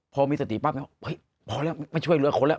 พอมิสติป่ะเห็นว่าเฮ้ยพอแล้วไม่ช่วยรั้วคนแล้ว